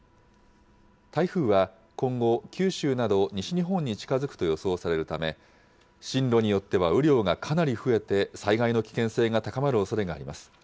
台風は今後、九州など西日本に近づくと予想されるため、進路によっては雨量がかなり増えて、災害の危険性が高まるおそれがあります。